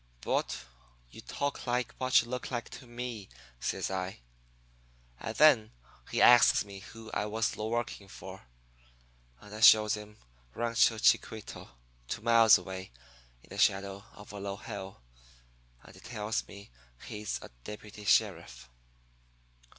"'But you talk like what you look like to me,' says I. "And then he asks me who I was working for, and I shows him Rancho Chiquito, two miles away, in the shadow of a low hill, and he tells me he's a deputy sheriff.